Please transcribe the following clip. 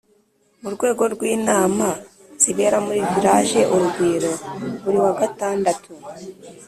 Mu rwego rw'inama zibera muri Village Urugwiro buri wa gatandatu